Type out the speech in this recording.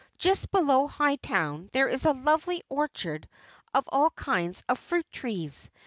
"Just below Hightown there is a lovely orchard of all kinds of fruit trees.